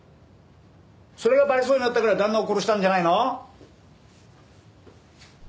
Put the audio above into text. それがバレそうになったから旦那を殺したんじゃないの？